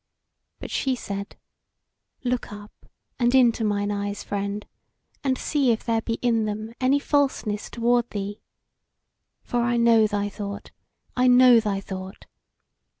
But she said: "Look up, and into mine eyes, friend, and see if there be in them any falseness toward thee! For I know thy thought; I know thy thought.